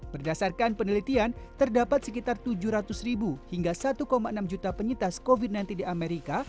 berdasarkan penelitian terdapat sekitar tujuh ratus ribu hingga satu enam juta penyitas covid sembilan belas di amerika